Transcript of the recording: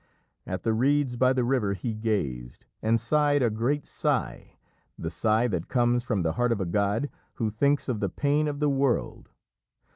At the reeds by the river he gazed, and sighed a great sigh, the sigh that comes from the heart of a god who thinks of the pain of the world.